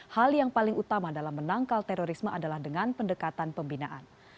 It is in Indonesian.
hal yang paling utama dalam menangkal terorisme adalah dengan pendekatan pembinaan